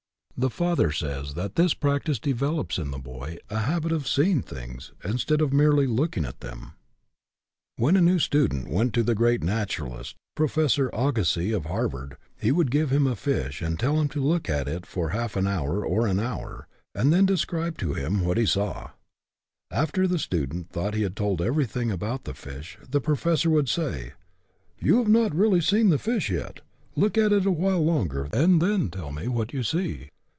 The father says that this practice develops in the boy a habit of seeing things, instead of merely look ing at them. When a new student went to the great 34 EDUCATION BY ABSORPTION naturalist, Professor Agassiz of Harvard, he would give him a fish and tell him to look it over for half an hour or an hour, and then describe to him what he saw. After the student thought he had told everything about the fish, the professor would say, " You have not really seen the fish yet. Look at it a while longer, and then tell me what you see."